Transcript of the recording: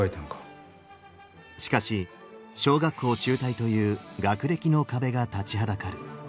しかし小学校中退という学歴の壁が立ちはだかる。